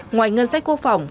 ngoài ngân sách quốc phòng